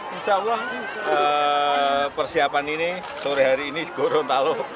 insya allah persiapan ini sore hari ini di gorontalo